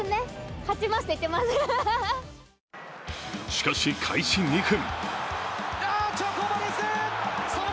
しかし、開始２分。